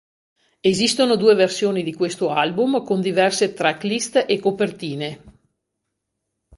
Esistono due versioni di questo album con diverse tracklist e copertine.